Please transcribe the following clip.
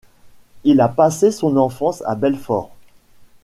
Il a passé son enfance à Belfort.